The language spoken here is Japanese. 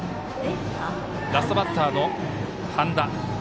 ラストバッターの半田。